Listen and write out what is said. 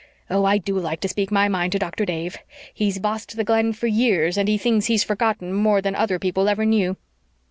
Oh, I DO like to speak my mind to Dr. Dave! He's bossed the Glen for years, and he thinks he's forgotten more than other people ever knew.